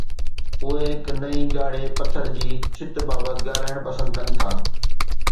اهي هڪ نئين ڳاڙهي پٿر جي ڇت بابت ڳالهائڻ پسند ڪن ٿا